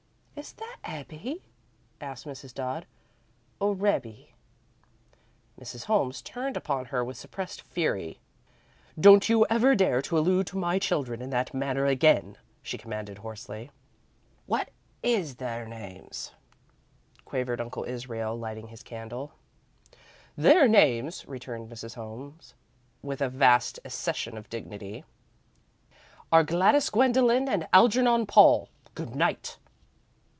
"Is that Ebbie," asked Mrs. Dodd, "or Rebbie?" Mrs. Holmes turned upon her with suppressed fury. "Don't you ever dare to allude to my children in that manner again," she commanded, hoarsely. "What is their names?" quavered Uncle Israel, lighting his candle. "Their names," returned Mrs. Holmes, with a vast accession of dignity, "are Gladys Gwendolen and Algernon Paul! Good night!"